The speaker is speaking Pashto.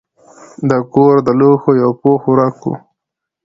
د کور د لوښو یو پوښ ورک و.